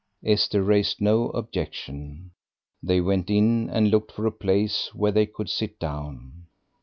Esther raised no objection. They went in and looked for a place where they could sit down.